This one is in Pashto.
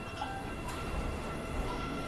نه له دې ځایه وو تله.